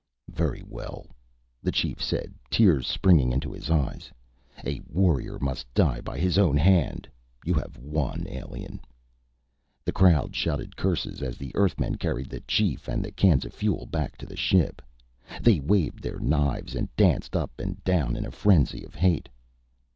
"Very well," the chief said, tears springing into his eyes. "A warrior must die by his own hand. You have won, alien." The crowd shouted curses as the Earthmen carried the chief and the cans of fuel back to the ship. They waved their knives and danced up and down in a frenzy of hate.